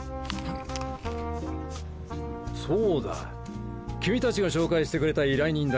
そうだ君たちが紹介してくれた依頼人だが。